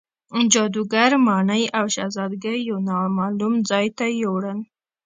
جادوګر ماڼۍ او شهزادګۍ یو نامعلوم ځای ته یووړل.